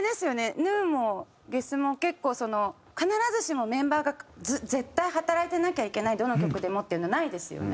Ｇｎｕもゲスも結構その必ずしもメンバーが絶対働いてなきゃいけないどの曲でもっていうのないですよね？